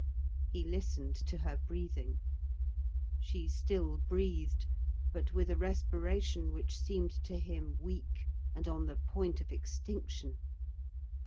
He listened to her breathing: she still breathed, but with a respiration which seemed to him weak and on the point of extinction.